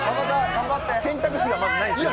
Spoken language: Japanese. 選択肢がまずない。